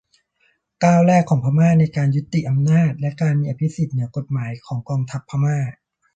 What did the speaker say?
ก้าวแรกของพม่าในการยุติอำนาจและการมีอภิสิทธิ์เหนือกฎหมายของกองทัพพม่า